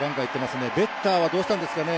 ベッターはどうしたんですかね。